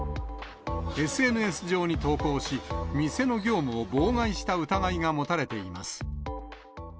ＳＮＳ上に投稿し、店の業務を妨害した疑いが持たれています。